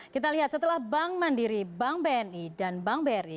kita lihat setelah bank mandiri bank bni dan bank bri